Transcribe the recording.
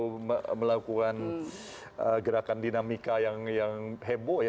yang bermanufur atau melakukan gerakan dinamika yang heboh ya